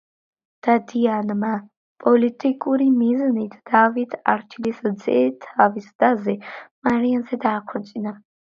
დადიანმა, პოლიტიკური მიზნით, დავით არჩილის ძე თავის დაზე, მარიამზე დააქორწინა.